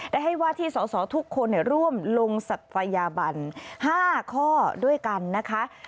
ได้ให้ว่าที่สอสอทุกคนร่วมลงศักยบัน๕ข้อด้วยกันนะคะ